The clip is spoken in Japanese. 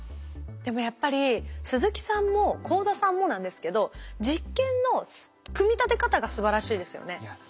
でもやっぱり鈴木さんも幸田さんもなんですけど実験の組み立て方がすばらしいですよね。